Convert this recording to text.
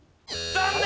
残念！